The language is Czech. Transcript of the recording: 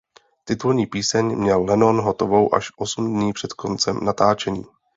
Titulní píseň měl Lennon hotovou až osm dní před koncem natáčení.